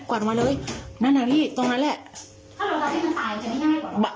ถ้าเราตัวนี้มันตายจะได้ยากกว่าเรา